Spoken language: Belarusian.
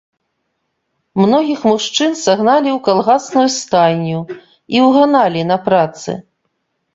Многіх мужчын сагналі ў калгасную стайню і ўганалі на працы.